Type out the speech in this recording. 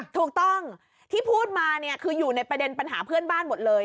ถูกต้องที่พูดมาเนี่ยคืออยู่ในประเด็นปัญหาเพื่อนบ้านหมดเลย